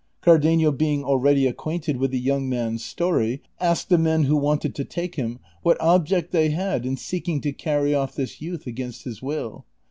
Cardenio being already ac quainted with the young man's story, asked the men who wanted to take him, what object they had in seeking to carry off this youth against his will.